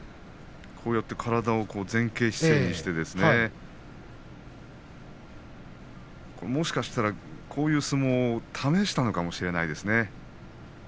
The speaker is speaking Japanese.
体を前傾姿勢にしてもしかしたら、こういう相撲を試したのかもしれないですね。